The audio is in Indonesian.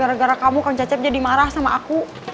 gara gara kamu kang cecep jadi marah sama aku